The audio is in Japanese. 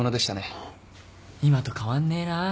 今と変わんねえな。